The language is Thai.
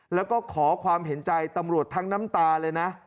แล้วก็ขอความเห็นใจตำรวจทั้งน้ำตาเลยนะ